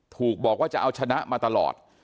ถูกบอกว่าจะเอาชนะมาตลอด